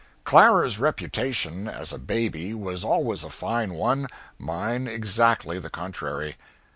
_ Clara's reputation as a baby was always a fine one, mine exactly the contrary.